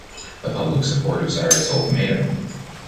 The public supported Sarit’s ultimatum.